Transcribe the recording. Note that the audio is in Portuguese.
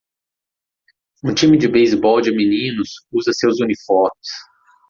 Um time de beisebol de meninos usa seus uniformes.